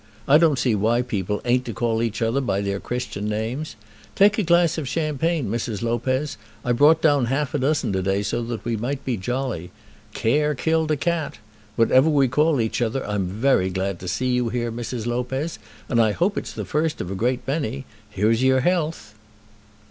I don't see why people ain't to call each other by their Christian names. Take a glass of champagne, Mrs. Lopez. I brought down half a dozen to day so that we might be jolly. Care killed a cat. Whatever we call each other, I'm very glad to see you here, Mrs. Lopez, and I hope it's the first of a great many. Here's your health."